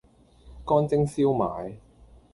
乾蒸燒賣